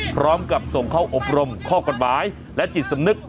พร้อมกับส่งเข้าอบรมข้อกฎหมายและจิตสำนึก